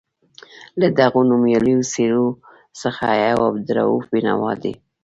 له دغو نومیالیو څېرو څخه یو عبدالرؤف بېنوا دی.